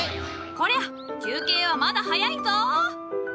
こりゃ休憩はまだ早いぞ！